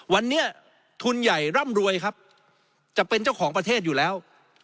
วันนี้ทุนใหญ่ร่ำรวยครับจะเป็นเจ้าของประเทศอยู่แล้ว